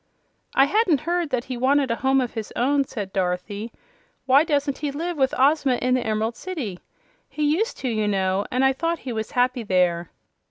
"I hadn't heard that he wanted a home of his own," said Dorothy. "Why doesn't he live with Ozma in the Emerald City? He used to, you know; and I thought he was happy there."